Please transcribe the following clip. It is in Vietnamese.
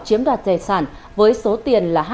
chiếm đoạt rẻ sản với số tiền là